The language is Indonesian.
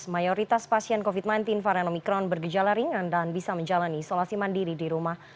mayoritas pasien covid sembilan belas varian omikron bergejala ringan dan bisa menjalani isolasi mandiri di rumah